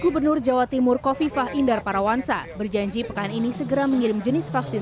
gubernur jawa timur kofifah indar parawansa berjanji pekan ini segera mengirim jenis vaksin